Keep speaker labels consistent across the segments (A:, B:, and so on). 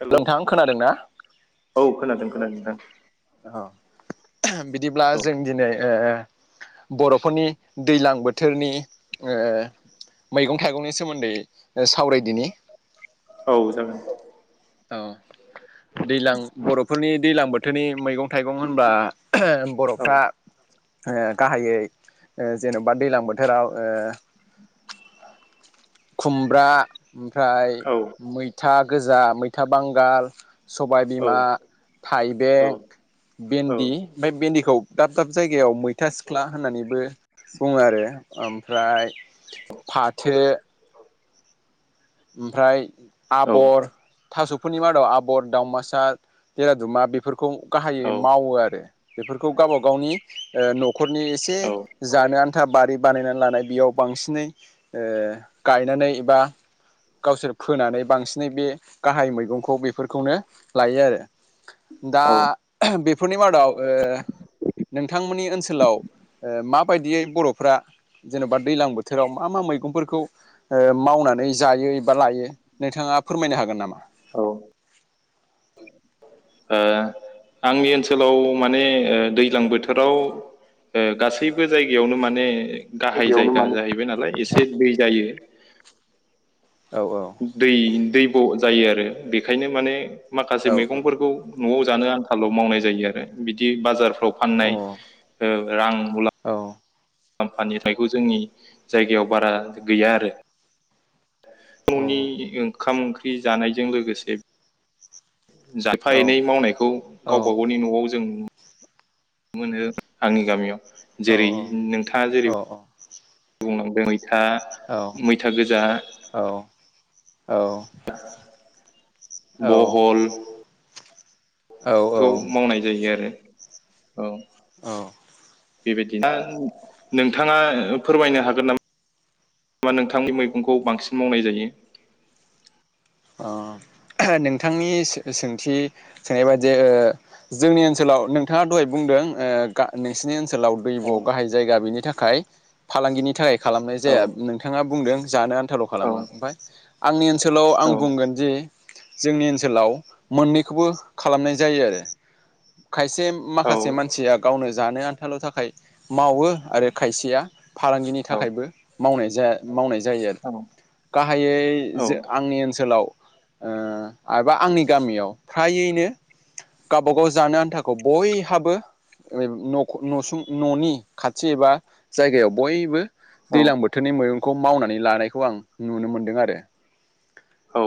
A: हेल'
B: नोंथां खोनादों ना?
A: औ खोनादों खोनादों नोंथां
B: औ बिदिब्ला जों दिनै ओ ओ बर'फोरनि दैलां बोथोरनि ओ मैगं थाइगंनि सोमोन्दै ओ सावरायदिनि।
A: औ जागोन।
B: औ दैज्लां बर'फोरनि दैज्लां बोथोरनि मैगं थाइगं होनबा
A: औ
B: बर'फ्रा ओ गाहायै ओ जेन'बा दैलां बोथोराव ओ खुमब्रा ओमफ्राय
A: औ
B: मैथा गोजा, मैथा बांगाल,
A: औ
B: सबायबिमा,
A: औ
B: थाइबें, भेन्दि ओमफ्राय भेन्दिखौ दाब दाब जायगायाव मैथा सिख्ला होननानैबो बुङो आरो। ओमफ्राय फाथो ओमफ्राय आबर, थास' बेफोरनि मादाव आबर, दावमासा, देरादुमा बेफोरखौ गाहायै मावो आरो। बेफोरखौ गावबा गावनि ओ नख'रनि एसे
A: औ
B: जानो आन्था बारि बानायनानै लानाय बेयाव बांसिनै ओ गायनानै एबा गावसोर फोनानै बांसिनै बे गाहाय मैगंखौ बेफोरखौनो लायो आरो। दा
A: औ
B: बेफोरनि मादाव ओ नोंथांमोननि ओनसोलाव ओ माबायदियै बर'फ्रा जेन'बा दैलां बोथोराव मा मा मैगंफोरखौ ओ मावनानै जायो एबा लायो नोंथाङा फोरमायनो हागोन नामा?
A: औ। ओ आंनि ओनसोलाव माने ओ दैज्लां बोथोराव ओ गासैबो जायगायावनो माने गाहाय जायगा जाहैबाय नालाय एसे दै जायो।
B: औ औ।
A: दै दै ब' जायो आरो बेखायनो माने माखासे
B: औ
A: मैगंफोरखौ न'आव जानो आंखाल' मावनाय जायो आरो बिदि बाजारफ्राव फाननाय
B: औ
A: रां मुलाम
B: औ।
A: आम्फानिथाइखौ जोंनि जायगायाव बारा गैया आरो। न'नि ओंखाम ओंख्रि जानायजों लोगोसे जाायफा
B: औ
A: एनै मावनायखौ गावबा गावनि न'आव जों मोनो आंनि गामियाव
B: औ
A: जेरै नोंथाङा जेरै बुंलांदों मैथा।
B: औ
A: मैथा गोजा
B: औ औ।
A: बहल बे खौ
B: औ
A: मावनाय जायो आरो औ।
B: औ।
A: बेबायदिा नोंथाङा फोरमायनो हागोन नामा? होमा नोंथांनि मैगंखौ बांसिन मावनाय जायो।
B: नोंथांनि सोंथि सोंनाय बाददि जोंनि ओनसोलाव नोंथाङा दहाय बुंदों, नोंसिनि ओनसोलाव ब
A: औ
B: गाहाय जायगा बेनि थाखाय फालांगिनि थाखाय खालामनाय जाया नोंथ बिथाङा बुंदों जानो आन्थाल'
A: औ
B: खालामो, ओमफफ्राय आंनि ओनसोलाव आं बुंगोन जे जोंनि ओनसोलाव मोननैखौबो खालामनाय जायो आरो, खायसे
A: औ
B: माखासे मानसिया गावनो जानो आ थाल' थाखाय मावो आरो खायसेया फालांगिनि
A: औ
B: थाखायबो मावनाय मावनाय जायो आरो।
A: औ
B: गाहायै
A: औ
B: ज आंनि ओनसोलाव एबा आंनि गामियाव फ्रायैनो गावबाागाव जानो आन्थाखौ बयहाबो नुं न'नि खाथि एबा जायगायाव बयबो दैज्लां बोथोरनि मैगंखौ मावनानै लानायखौ आं नुनो मोनदों आरो।
A: औ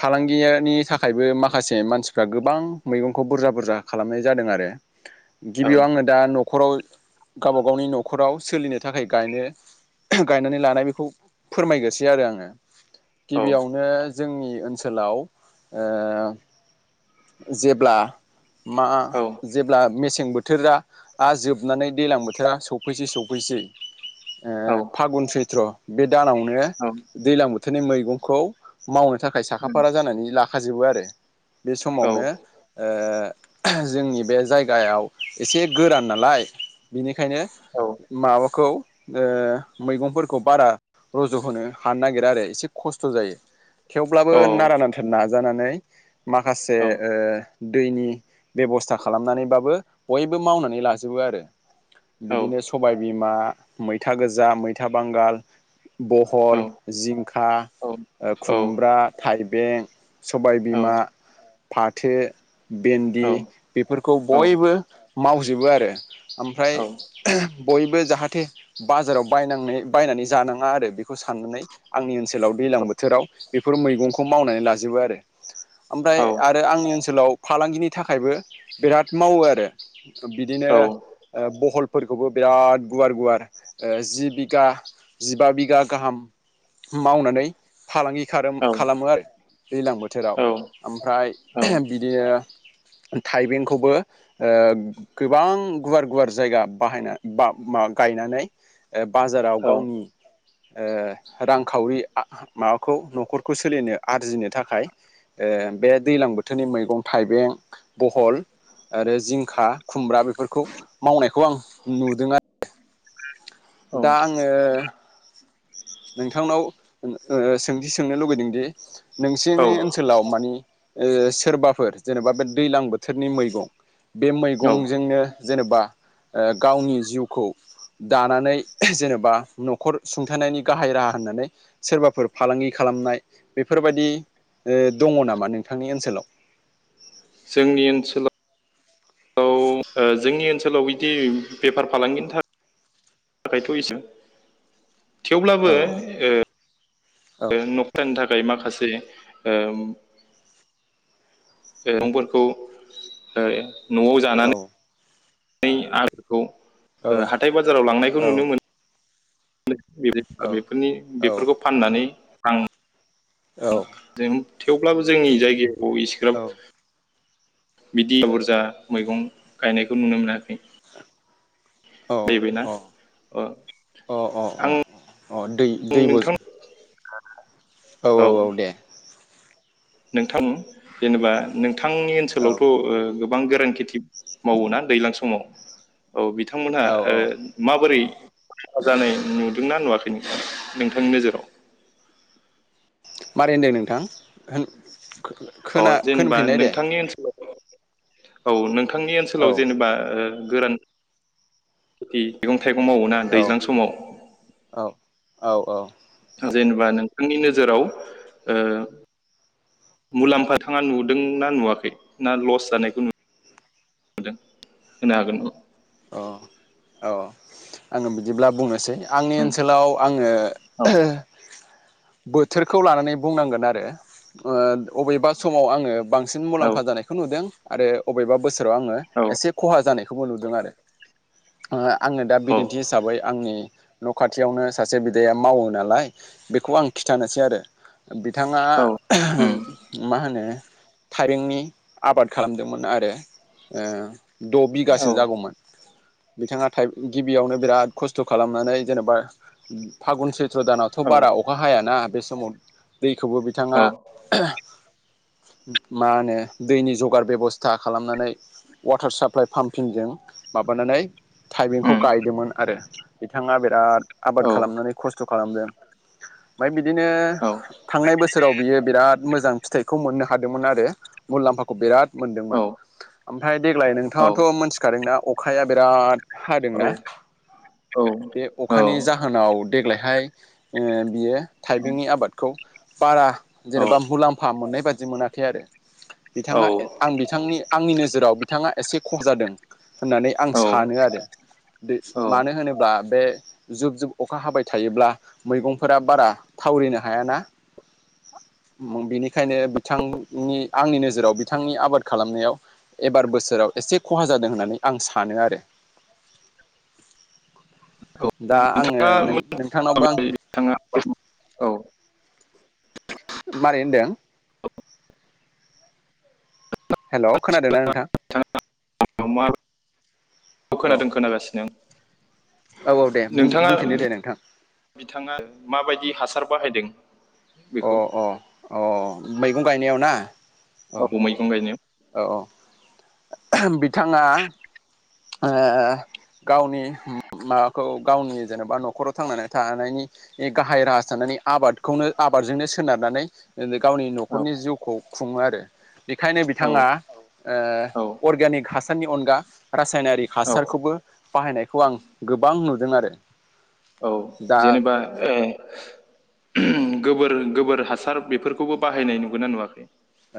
B: फालांगियानि थाखायबो माखासे मानसिफ्रा गोबां मैगंखौ बुरजा बुरजा खालामनाय जादों आरो‌। गिबियाव आङो दा न'खराव गावबा गावनि न'खराव सोलिनो थाखाय गायनो गायनानै लानाय बेखौ फोरमायग्रोसै आरो आङो गिबियावनो जोंनि ओनसोलाव जेब्ला ओ, जेब्ला मा जेब्ला मेसें बोथोरा आरो जोबनानै दैज्लां बोथोरा सफैसै सौफैसै
A: औ
B: फागुन सैथ्र बे दानावनो
A: औ
B: दै्लां बोथोरनि मैगंखौ मावनो थाखाय साखा
A: औ
B: फारा जानानै लाखाजोबो आरो। बे
A: औ
B: समावनो जोंनि बे जायगायाव एसे गोरान नालाय। बिनिखायनो माबाखौ मैगंफोरखौ बारा रज' होनोनो हानो नागिरा आरो एसे खस्थ' जायो। थेवब्लाबो नारा नाथा नाजानानै माखासे दैनि बेबस्था खालामनानैबाबो बयबो मावनानै लाजोबो आरो। बिदिनो सबायबिमा मैथा गोजा, मैथा बांगाल। बहल जिंखा ओ खुमब्रा थाइबें सबायबिमा फाथो भन्दि बेफोरखौ
A: औ
B: बयबो मावजोबो आरो। ओमफ्राय बयबो जाहाथे बाजाराव बायांनाय बायनानै जानाङा आरो, बेखौ साननानै आंनि ओनसोलाव दैलांबो बोथोराव बेफोर मैगंखौ मावनानै लाजोबो आरो ओमफ्राय आरो आंनि ओनसोलाव फालांगिनि थाखायबो बिराद मावो आरो। बिदिनो बहलफोरखौबो बिराद गुवार गुवार जि बिघा जिबा बिगा गाहाम मावनानै फालांगि खारोम खालामो आरो दैज्लां बोथोराव ओमफ्राय ओहोम बिदिनो थाइबेंखौबो ओ गोबां गुवार गुवार जायगा बाहायना बा मा गायनानै ओ बाजाराव गावनि ओ रांखावरि माबाखौ न'खरखौ सोलिनो आरजिनो थाखाय ओ बे दैलां बोथोरनि मैगं थाइबें बहल आरो जिंखा खुमब्रा बेफोरखौ मावनायखौ आं नुदों आरो दा आंङो नोंथांनाव ओ सोंथि सोंनो लुगैदों दि
A: औ
B: नोंसिनि ओनसोलाव मानि ओ सोरबाफोर जेनेबा बे दैलां बोथोरनि मैगं। बे
A: औ
B: मैगंजोंनो जेनेबा गावनि जिउखौ दानानै जेनेबा न'खर सुंथानायनि गाहाय राहा होननानै सोरबाफोर फालांगि खालामनाय बेफोरबायदि ओ दङ नामा नोंथांनि ओनसोलाव?
A: जोंनि ओनसोलाव ओ जोंनि ओनसोलाव बिदि बेफार फालांगिनि थाखाय थाखायथ' एसे थेवब्लाबो
B: औ
A: ओ
B: औ
A: न'खरानि थाखाय माखासे मैगंफोरखौ ओयै न'आव
B: औ
A: जानानै आगखौ
B: औ
A: हाथाय बाजाराव लांनायखौ
B: औ
A: नुनो मोनो। बे
B: औ
A: बेफोरनि बेफोरखौ फाननानै आं
B: औ
A: जों थेवब्लाबो जोंनि जायगाखौ इसिग्राब बिदि बुरजा मैगं गायनायखौ नुनो मोनाखै नै बेना अ
B: अ अ अ
A: आं
B: अ दै
A: आं
B: दैब'ज
A: नोंथां [unintelligible]
B: औ औ औ दे
A: नोंथां जेनेबा नोंथांनि
B: औ
A: ओनसोलावथ' ओ गोबां गोरान खेथि मावोना दैज्लां समाव औ बिथांमोनहा
B: औ औ
A: ओ माबोरै मुलामफा जानाय नुदोंना नुवाखै नों नोंथांनि नोजोराव?
B: मारै होन्दों नोंथां होन
A: अ
B: खोना
A: जेनेबा
B: खोनफिननाय दे
A: नोंथांनि ओनसोलाव औ नोंथांनि
B: औ
A: ओनसोलाव जेनेबा ओ गोरान खेथि मैगं थाइगं मावोना
B: औ
A: दैज्लां समाव
B: औ औ औ
A: जेनेबा नोंथांनि नोजोराव ओ मुलाम्फा थांङा नुदों ना नुवाखै ना लस जानायखौ नु दों होनो हागोन न
B: औ औ आंङो बिदिब्ला बुंनोसै आंनि ओनसोलाव आंङो
A: औ
B: बोथोरखौ लानानै बुंनांगोन आरो ओ अबेबा समाव आंङो बांसिन मुलाम्फा जानायखौ नुदों। आरो अबेबा बोसोराव आङो
A: औ
B: एसे खहा जानायखौबो नुदों आरो ओ आंङो दा
A: औ
B: बिदिन्थि हिसाबै आंनि न' खाथियावनो सासे बिदाया मावो नालाय बेखौ आं खिन्थानोसै आरो बिथाङा
A: औ उम
B: मा होनो थाइबेंनि आबाद खालामदोंमोन आरो ओ द'
A: औ
B: बिगासो जागौमोन। बिथाङा थाइ गिबियावनो बिराद खस्थ' खालामनानै जेनेबा फागुन सैत्र' दानाव थ'
A: औ
B: बारा अखा हायाना बे समाव दैखौबो
A: औ
B: बिथांङा मा होनो दैनि जगार बेबस्था खालामनानै वाटार साप्लाइ पाम्पिंजों माबानानै थाइबेंखौ
A: उम
B: गायदोंमोन आरो बिथाङा बिराद आबाद
A: औ
B: खालामनानै खस्थ' खालामदों ओमफ्राय बिदिनो
A: औ
B: थांनाय बोसोराव बियो बिराद मोजां फिथाइखौ मोननो हादोंमोन आरो मुलाम्फाखौ बिराद मोनदोंमोन
A: औ
B: ओमफ्राय देग्लाय
A: औ
B: नोंथाङाथ' मोनथिखादोंना अखाया बिराद हादोंना
A: औ औ
B: बे अखानि जा माहोनाव देग्लायहाय ओ बियो थाइबेंनि आबादखौ बारा जेनेबा मुलाम्फा मोननाय बाददि मोनाखै आरो बिथाङा आं बिथांनि आंनि नोजोराव बिथाङा एसे खब जादों। होननानै आं सानो आरो बे मानो होनोब्ला बे जुब जुब अखा हाबाय थायोब्ला मैगंफोरा बारा थावरिनो हायाना। [unintelligible] बिनिखायनो बिथांनि आंनि नोजोराव बिथांनि आबाद खालामनायाव एबार बोसोराव एसे खहा जादों होननानै आं सानो आरो [inaudible] दा आङो नों-नोंथांनावबो आं
A: थाङा [unintelligible] औ
B: मारै होनदों? हेलौ खोनादोंना नोंथां?
A: बिथाङा औ खोनादों खोनागासिनो।
B: औ औ दे
A: नोंथाङा
B: बुं-बुंफिनदो दे नोंथां।
A: बिथाङा माबायदि हासार बाहायदों
B: अ
A: बेखौ
B: अ अ मैगं गायनायाव ना अ
A: [unintelligible]
B: औ औ [unintelligible] बिथाङा ओ गावनि मा खौ गावनि जेनेबा न'खराव थांनानै थानायनि नि गाहाय राहा जानानै आबादखौनो आबादजोंनो सोनारनानै [unintelligible] गावनि न'खरनि जिउखौ खुङो आरो बेखायनो
A: औ
B: बिथाङा
A: औ
B: अर्गानिक हासारनि अनगा रासायनारिक
A: औ
B: हासारखौबो बाहायनायखौ आं गोबां नुदों आरो।
A: औ
B: दा
A: जेनेबा ओ गोबोर गोबोर हासार बेफोरखौबो बाहायनाय नुगोनना नुवाखै?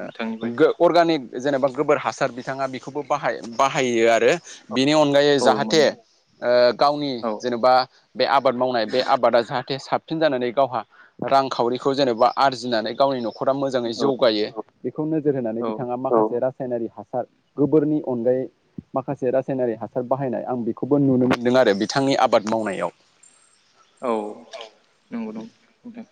A: नोंथांनि बायदि
B: अर्गानिक जेनेबा गोबोर हासार बिथाङा बेखौबो बाह बाहायो आरो बिनि अनगायै
A: औ मोन
B: जाहाथे ओ गावनि
A: औ
B: जेनेबा बे आबाद मावनाय बे आबादा जाहाथे साबसिन जानानै गावहा रांखावरिखौ जेनेबा आरजिनानै गावनि न' न'खरा मोजाङै
A: औ
B: जौगायो बेखौ नोजोर होनानै
A: औ
B: बिथाङा माखासे रासायनारि हासार गोबोरनि अनगायै माखासे रासायनारि हासार बाहायनाय आं बेखौबो नुनो मोन्दों आरो बिथांनि आबाद मावनायाव। [inaudible]
A: औ नंगौ नंगौ नोंथां।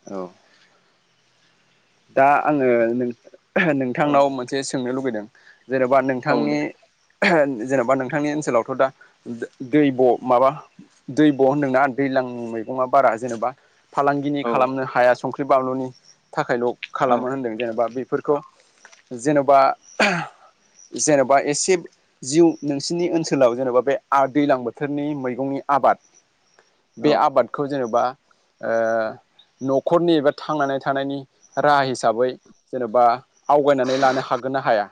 B: दा आङो नोंथांनाव
A: औ
B: मोनसे सोंनो लुबैदों। जेन'बा
A: औ
B: नोंथांनि
A: दे
B: जेन'बा नोंथांनि ओनसोलावथ' दा दै ब माबा दैब' होनदोंना दैज्लां मैगङा बारा जेन'बा फालांगिनि
A: औ
B: खालामनो हाया संख्रि बानलुनि थाखायल'
A: औ
B: खालामो होनदों जेनेबा बेफोरखौ जेन'बा जेन'बा एसे जिउ नोंसिनि ओनसोलाव जेन'बा बे दैलां बोथोरनि मैगंनि आबाद
A: ओ
B: बे आबादखौ जेन'बा न'खरनि एा थांनानै थानायनि राहा हिसाबै जेन'बा आवगायनानै लानो हागोन ना हाया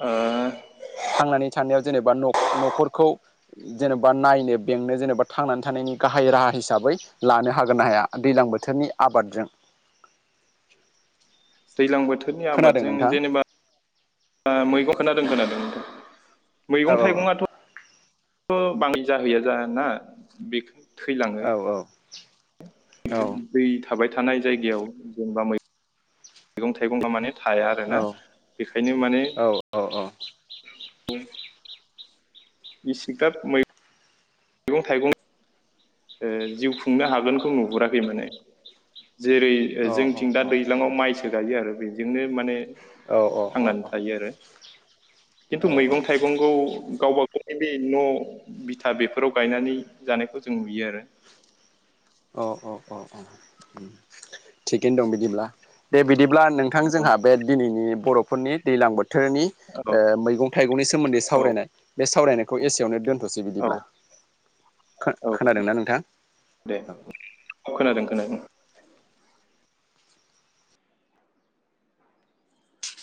A: आ
B: थांनानै थानायाव जेनेबा न'खरखौ जेनेबा नायनो बेंनो जेनेबा थांनानै थानायनि गाहाय राहा हिसाबै लानो हागोन ना हाया दैज्लां बोथोरनि आबादजों
A: दै्लां बोथोरनि
B: खोनादों
A: आबादजों
B: नोंथां
A: जेनेबा मैगं खोना रोंगोनादों मैगं
B: औ औ
A: थाइगङाथ' बाङै जाहैया जाना बेखौ थैलाङो
B: औ औ औ
A: दै थाबाय थानाय जायगायाव जेनेबा मै मैगं थाइगंबा माने थाया आरोना बेखायनो माने [unintelligible] मैगं थाइगं जिउ खुंनो हागोनखौ नुहुराखै माने जेरै जोंथिं दा दैज्लाङाव माइसो गायो आरो बेजोंनो माने थांनानै थायो आरो खिन्थु मैगं थाइगंखौ गावबा गाव बे न' बिथा बेफोराव गायनानै जानायखौ जों नुयो आरो
B: औ औ औ थिगैनो दं बिदिब्ला दे बिदिब्ला नोंथां जोंहा
A: औ
B: बे दिनैनि बर'फोरनि दैलां बोथोरनि ओ मैगं थाइगंनि सोमोन्दै
A: औ
B: सावरायनाय बे सावरायनायखौ एसेयावनो दोनथ दसे
A: औ
B: बिदिब्ला
A: औ
B: खोनादोंना नोंथां
A: दे औ खोनादों खोनादों